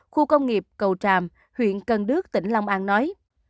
khu công nghiệp cầu tràm huyện cần đước tỉnh long an nói